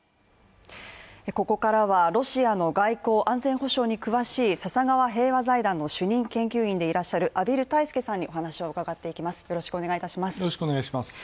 ここからはロシアの外交・安全保障に詳しい笹川平和財団の主任研究員でいらっしゃる畔蒜泰助さんにお話を伺ってまいります。